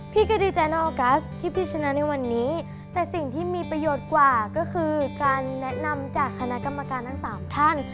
พี่ก็ดีใจในออกัสที่พี่ชนะในวันนี้แต่สิ่งที่มีประโยชน์กว่าก็คือการแนะนำจากคณะกรรมการทั้งสามท่าน